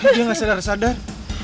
dia gak sadar sadar